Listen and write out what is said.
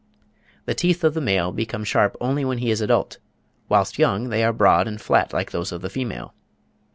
The teeth of the male become sharp only when he is adult: whilst young they are broad and flat like those of the female.